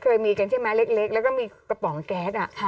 เคยมีกันใช่ไหมเล็กแล้วก็มีกระป๋องแก๊ส